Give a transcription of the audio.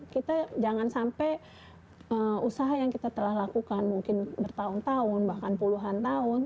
kita jangan sampai usaha yang kita telah lakukan mungkin bertahun tahun bahkan puluhan tahun